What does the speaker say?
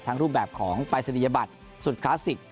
ทั้งรูปแบบของไปสนิยบัตรสุดคลาสสิก